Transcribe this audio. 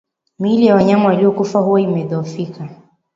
Miili ya wanyama waliokufa huwa imedhoofika